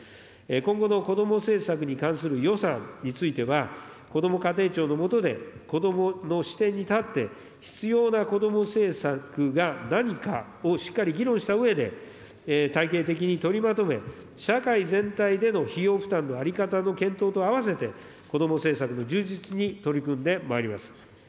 今後の子ども政策に関する予算については、こども家庭庁のもとで、子どもの視点に立って、必要な子ども政策が何かをしっかり議論したうえで、体系的に取りまとめ、社会全体での費用負担の在り方の検討とあわせて、子ども政策の充実に取り組んでまいります。